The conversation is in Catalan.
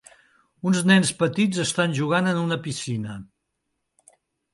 Uns nens petits estan jugant en una piscina.